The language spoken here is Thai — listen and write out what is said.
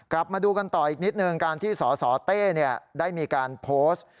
มาดูกันต่ออีกนิดนึงการที่สสเต้ได้มีการโพสต์